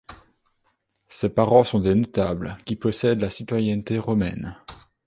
Ses parents sont des notables, qui possèdent la citoyenneté romaine.